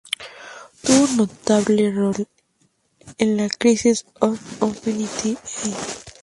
Tuvo un notable rol en la "Crisis on Infinite Earths".